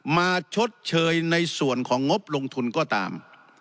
ชดเชยในส่วนของงบลงทุนก็ตาม